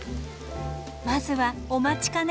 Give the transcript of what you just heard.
まずはお待ちかね